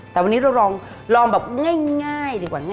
แต่วันนี้เราลองแบบง่ายดีกว่า